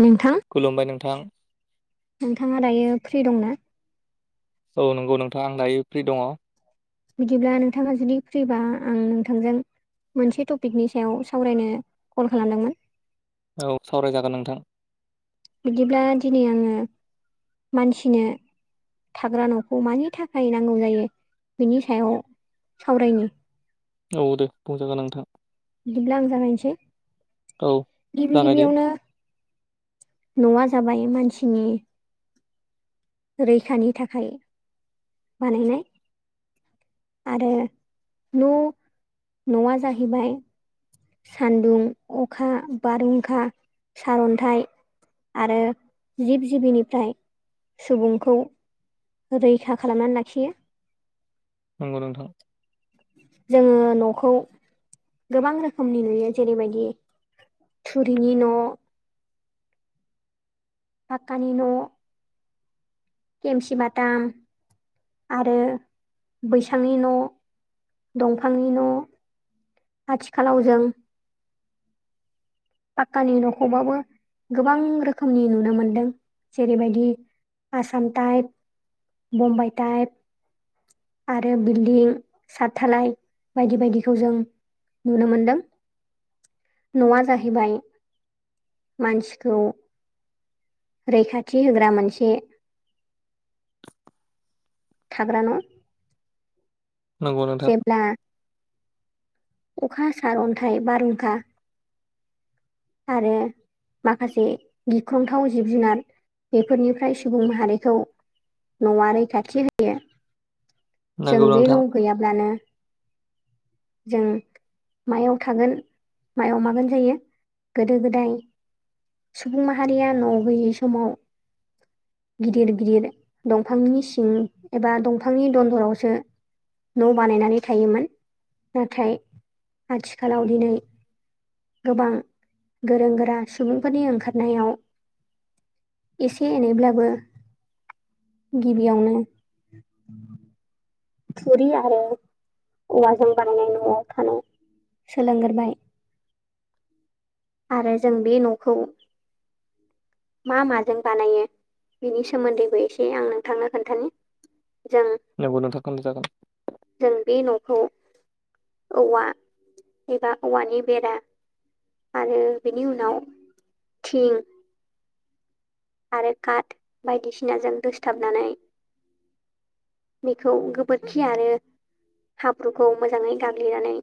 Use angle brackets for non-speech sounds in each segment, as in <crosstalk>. नोंथां- खुलुमबाय नोंथां! नोंथाङा दायो फ्रि दंना? औ नंगौ नोंथां! आं दायो फ्रि दङ! बिदिब्ला नोंथाङा जुदि फ्रिबा आं नोंथांजों मोनसे टपिकनि सायाव सावरायनो कल खालामदोंमोन! औ सावरायजागोन नोंथां! बिदिब्ला दिनै आङो मानसिनो थाग्रा न'खौ मानि थाखाय नांगौ जायो! बिनि सायाव सावरायनि औ दे बुंजागोन नोंथां! बिदिब्ला आं जागायनोसै औ गिबि जागायदो गिबियावनो- न'आ जाबाय मानसिनि रैखानि थाखाय बानायनाय आरो न' न'आ जाहैबाय सान्दुं अखा बारहुंखा सारन्थाइ आरो जिब जिबिनिफ्राय सुबुंखौ रैखा खालामनानै लाखियो। नंगौ नोंथां! जोङो न'खौ गोबां रोखोमनि नुयो जेरैबायदि थुरिनि न' फाकानि न' केमसि बाथाम आरो बैसांनि न' दंफांनि न' आथिखालाव जों पाक्कानि न'खौबाबो गोबां रोखोमनि नुनो मोनदों! जेरैबायदि आसाम टाइप बम्बाइ टाइप आरो बिल्दिं सातथालाय बायदि बायदिखौ जों नुनो मोन्दों न'आ जाहैबाय मानसिखौ रैखाथि होग्रा मोनसे थाग्रा न' नंगौ नोंथां! जेब्ला अखा सार अन्थाइ बारहुंखा आरो माखासे गिख्रंथाव जिब जुनार बेफोरनिफ्राय सुबुं माहारिखौ न'आ रैखाथि होयो! जों नंगौ बे नोंथां न' गैयाब्लानो जों मायाव थागोन मायाव मागोन जायो। गोदो-गोदाय सुबुं माहारिया न' गैयै समाव गिदिर-गिदिर दंफांनि सिं एबा दंफांनि दन्दरावसो न' बानायनानै थायोमोन नाथाय आथिखालाव दिनै गोबां गोरों गोरा सुबुंफोरनि ओंखारनायाव एसे-एनैब्लाबो गिबियावनो थुरि आरो औवाजों बानायनाय न'आव थानो सोलोंगोरबाय आरो जों बे न'खौ मा माजों बानायो बिनि सोमोन्दैबो एसे आं नोंथांनो खोन्थानि जों नोंगौ नोंथां खोन्थाजागोन। जों बे न'खौ औवा एबा औवानि बेरा आरो बेनि उनाव थिं आरो काट बायदिसिनाजों दोसथाबनानै बेखौ गोबोरखि आरो हाब्रुखौ मोजाङै गाग्लिनानै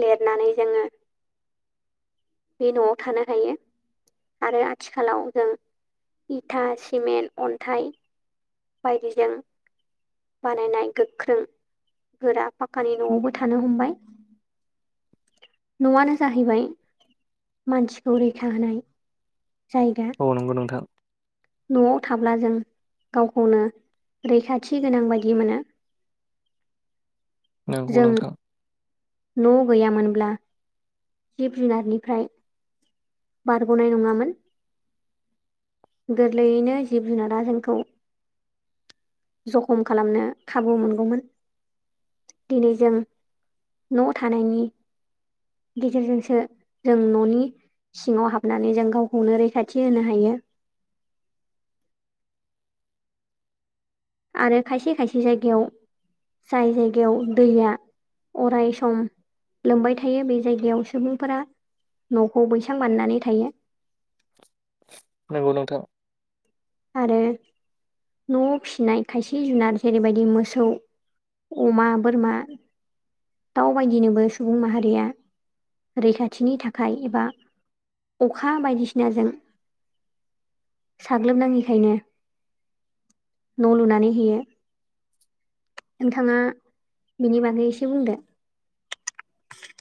लिरनानै जोङो बे न'आव थानो हायो आरो आथिखालाव जों इथा, सिमेन्ट, अन्थाइ बायदिजों बानायनाय गोख्रों गोरा पाकानि न'आवबो थानो हमबाय। न'आनो जाहैबाय मानसिखौ रैखा होनाय जायगा। ओ नोंगौ नोंथां। न'आव थाब्ला जों गावखौनो रैखाथि गोनां बायदि मोनो। <inaudible> नंगौ नोंथां। न' गैयामोनब्ला जिब जुनारनिफ्राय बारग'नाय नङामोन। गोरलैयैनो जिब जुनारा जोंखौ जखम खालामनो खाबु मोनगौमोन। दिनै जों न' थानायनि गेजेरजोंसो जों न'नि सिङाव हाबनानै जों गावखौनो रैखाथि होनो हायो। आरो खायसे-खायसे जायगायाव जाय जायगायाव दैया अराय सम लोमबाय थायो बे जायगायाव सुबुंफोरा न'खौ बैसां बाननानै थायो। नंगौ नोंथां। आरो न'आव फिसिनाय खायसे जुनार जेरैबायदि मोसौ अमा, बोरमा दाउ बायदिनोबो सुबुं माहारिया रैखाथिनि थाखाय एबा अखा बायदिसिनाजों साग्लोबनाङि बेखायनो न' लुनानै होयो। नोंथाङा बिनि बागै एसे बुंदो।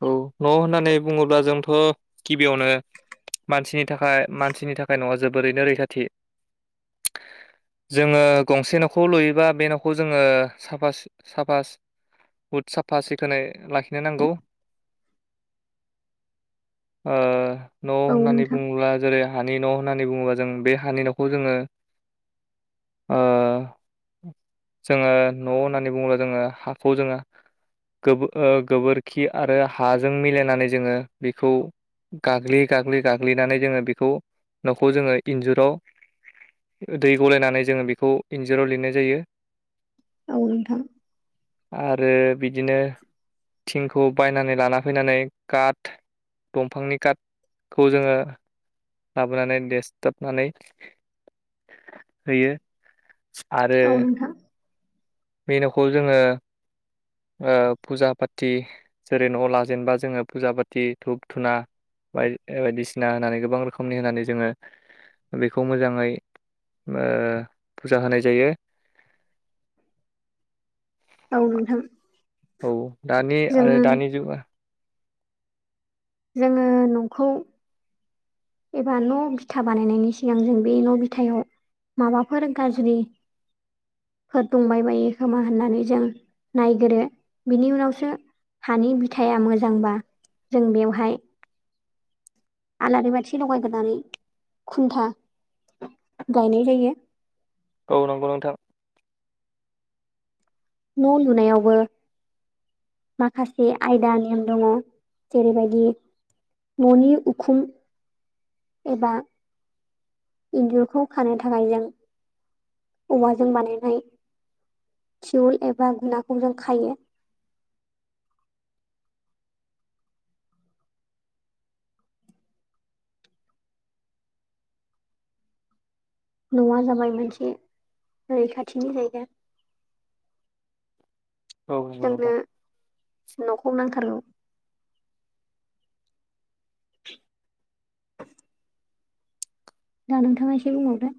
औ न' होननानै बुङोब्ला जोंथ' गिबियावनो मानसिनि थाखाय मानसिनि थाखाय न'आ जोबोरैनो रैखाथि। <inaudible> जोङो गंसे न'खौ लुयोबा बे न'खौ जोङो साफा साफा बुहुद साफा सिखोनै लाखिनो नांगौ। न' औ होननानै नोंथां बुङोब्ला जेरै हानि न' होननानै बुङोबा जों बे हानि न'खौ जोङो ओ जोङो न' होननानै बुङोब्ला जोङो हाखौ जोङो गोब-गोबोरखि आरो हाजों मिलायनानै जोङो बेखौ गाग्लि गाग्लि गाग्लिनानै जोङो बेखौ न'खौ जोङो इन्जुराव दै गलायनानै जोङो बेखौ इन्जुराव लिरनाय जायो। औ नोंथां। आरो बिदिनो थिं खौ बायनानै लाना फैनानै काट दंफांनि काटखौ जोङो लाबोनानै देसथाबनानै होयो। आरो औ नोंथां बे न'खौ जोङो ओ फुजा पाथि जेरै न' लाजेनबा जोङो फुजा पाथि धुप धुना बा-बायदिसिना होनानै गोबां रोखोमनि होनानै जोङो बेखौ मोजाङै ओ फुजा होनाय जायो। औ नोंथां। औ दानि आरो जोङो दानि जुगा जोङो न'खौ एबा न' बिथा बानायनायनि सिगां जों बे न' बिथायाव माबाफोर गारज्रि फोर दंबाय बायो खोमा होननानै जों नायगोरो बिनि उनावसो हानि बिथाया मोजांबा जों बेवहाय आलारि बाथि लगायग्रोनानै खुन्था गायनाय जायो। औ नंगौ नोंथां। न' लुनायावबो माखासे आयदा नेम दङ जेरैबायदि न'नि उखुम एबा इन्जुरखौ खानो थाखाय जों औवाजों बानायनाय थिउल एबा गुनाखौ जों खायो। न'आ जाबाय मोनसे रैखाथिनि जायगा। औ नंगौ जोंनो नोंथां न'खौ नांथारगौ दा नोंथाङा एसे बुंबावदो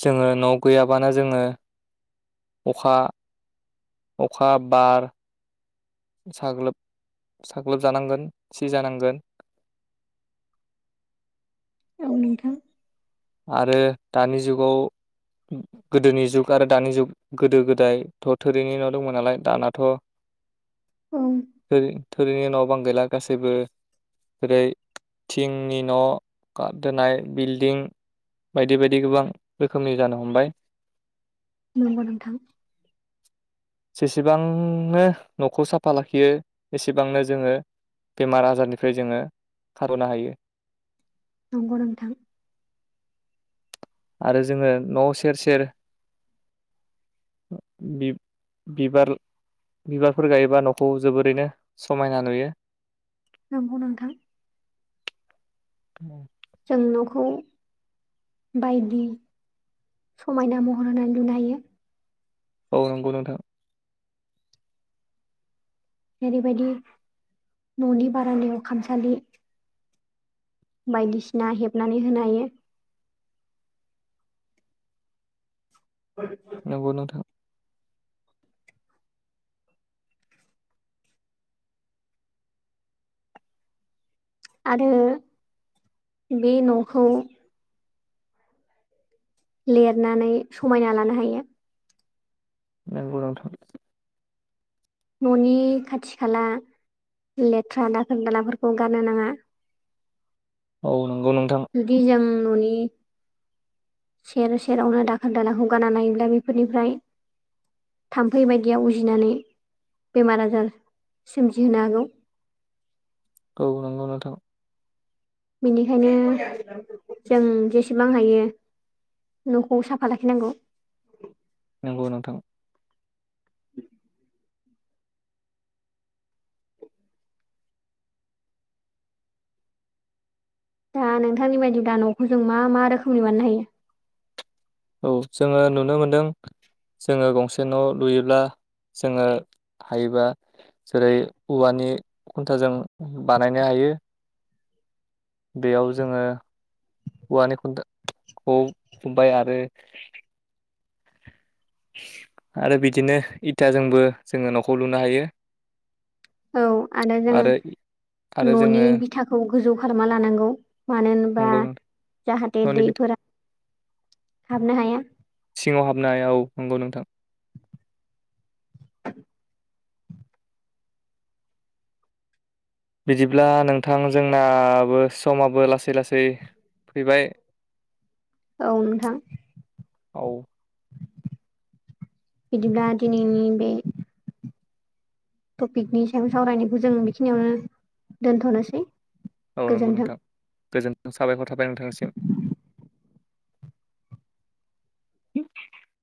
जोङो न' गैयाबानो जोङो अखा अखा बार साग्लोब साग्लोब जानांगोन सिजा नांगोन। औ नोंथां आरो दानि जुगाव गोदोनि जुग आरो दानि जुग गोदो गोदायथ' थोरैनि न' दंमोन नालाय दानाथ' औ थोरि थोरिनि न' बां गैला गासैबो रै थिंनि न' गाब दोनाय बिल्दिं बायदि बायदि गोबां रोखोमनि जानो हमबाय नंगौ नोंथां जेसेबांनो न'खौ साफा लाखियो एसेबांनो जोङो बेमार आजारनिफ्राय जोङो खार'नो हायो नंगौ नोंथां आरो जोङो न' सेर सेर बि-बिबार बिबारफोर गायोबा न'खौ जोबोरैनो समायना नुयो। नंगौ नोंथां <unintelligible> जों न'खौ बायदि समायना महर होनानै नुनो हायो औ नंगौ नोंथां। ओेरैबायदि न'नि बारान्दायाव खामसालि बायदिसिना हेबनानै होनो हायो <inaudible> नंगौ नोंथां। आरो बे न'खौ लेरनानै समायना लानो हायो नोंगौ नोंथां न'नि खाथि खाला लेथ्रा दाखोर दालाफोरखौ गारनो नाङा। औ नंगौ नोंथां। जुदि जों न'नि सेर सेरावनो दाखोर दालाखौ गाना लायोब्ला बेफोरनिफ्राय थाम्फै बायदिया उजिनानै बेमार आजार सोमजिहोनो हागौ। औ नोंगौ नोंथां। बेनिखायनो जों जेसेबां हायो न'खौ साफा लाखिनांगौ। नंगौ नोंथां। <inaudible> दा नोंथांनि बायदि दा न'खौ जों मा मा रोखोमनि बाननो हायो? औ जोङो नुनो मोनदों जोङो गंसे न' लुयोब्ला जोङो हायोबा जेरै औवानि खुन्थाजों बानायनो हायो। बेयाव जोङो औवानि खुन्थाख खुबाय आरो आरो बिदिनो इथाजोंबो जोङो न'खौ लुनो हायो। औ आरो जों आरो न'नि जोङो बिथाखौ गोजौ खालामना लानांगौ। मानो होनबा नंगौ जाहाथे न'नि दैफोरा हाबनो हाया। सिङाव हाबनाय औ नंगौ नोंथां। बिदिब्ला नोंथां जोंनाबो समाबो लासै लासै फैबाय औ नोंथां। औ। बिदिब्ला दिनैनि बे टपिकनि सायाव सावरायनायखौ जों बेखिनियावनो दोनथ'नोसै। औ नंगौ गोजोन्थों नोंथां गोजोन्थों साबायखर थाबाय नोंथांनिसिम।